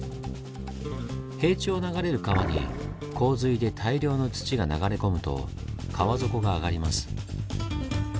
平地を流れる川に洪水で大量の土が流れ込むと川底が上がります。